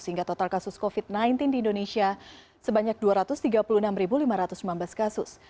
sehingga total kasus covid sembilan belas di indonesia sebanyak dua ratus tiga puluh enam lima ratus sembilan belas kasus